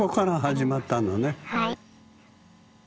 はい。